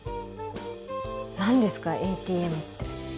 何ですかＡＴＭって。